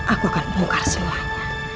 aku akan bukar semuanya